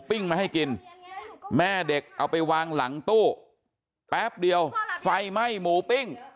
มาให้กินแม่เด็กเอาไปวางหลังตู้แป๊บเดียวไฟไหม้หมูปิ้ง